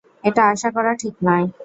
এটা আশা করা ঠিক নয়।